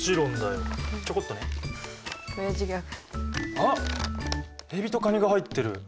あっエビとカニが入ってる！